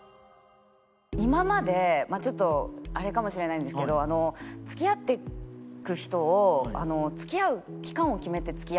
今までまあちょっとあれかもしれないんですけど付き合っていく人を付き合う期間を決めて付き合っていて。